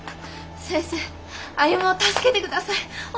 先生歩を助けて下さい！